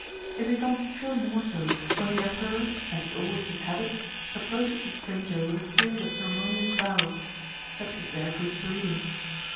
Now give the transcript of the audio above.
It becomes still more so when the Emperor as is always his habit approaches the stranger with a series of ceremonious bows; such is their good breeding!